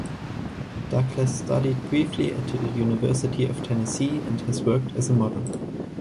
Douglas studied briefly at the University of Tennessee and has worked as a model.